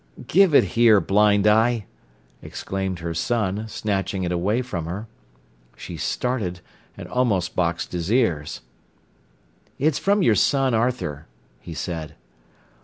"Give it here, blind eye!" exclaimed her son, snatching it away from her. She started, and almost boxed his ears. "It's from your son, Arthur," he said.